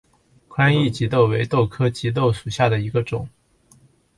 宽翼棘豆为豆科棘豆属下的一个种。